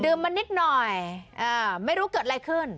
มานิดหน่อยไม่รู้เกิดอะไรขึ้น